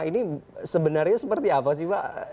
ini sebenarnya seperti apa sih pak